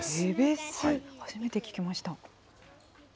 初めて聞きました。